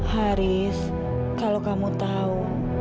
haris kalau kamu tahu